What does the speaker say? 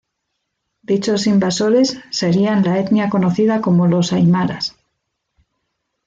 Dichos invasores serían la etnia conocida como los aimaras.